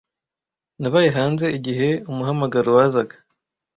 Nabaye hanze igihe umuhamagaro wazaga.